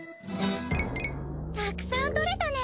たくさん採れたね！